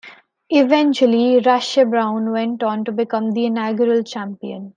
Eventually, Rasche Brown went on to become the inaugural champion.